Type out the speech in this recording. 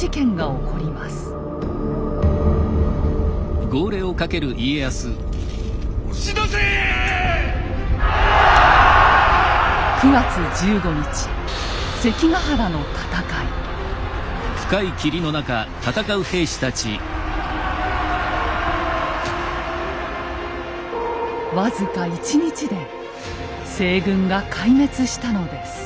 僅か１日で西軍が壊滅したのです。